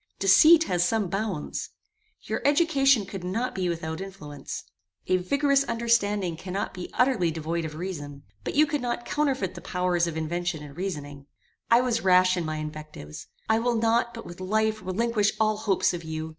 Deceit has some bounds. Your education could not be without influence. A vigorous understanding cannot be utterly devoid of virtue; but you could not counterfeit the powers of invention and reasoning. I was rash in my invectives. I will not, but with life, relinquish all hopes of you.